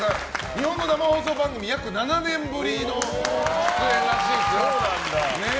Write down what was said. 日本の生放送番組約７年ぶりの出演らしいですよ。